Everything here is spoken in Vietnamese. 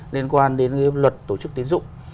liên quan đến luật tổ chức tiến dụng